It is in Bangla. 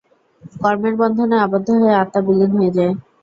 কর্মের বন্ধনে আবদ্ধ হয়ে আত্মা বিলিন হয়ে যায়।